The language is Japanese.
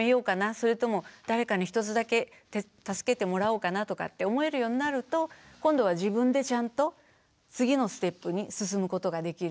それとも誰かに１つだけ助けてもらおうかなとかって思えるようになると今度は自分でちゃんと次のステップに進むことができる。